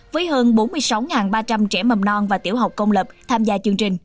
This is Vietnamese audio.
với hơn bốn mươi sáu ba trăm linh trẻ mầm non và tiểu học công lập tham gia chương trình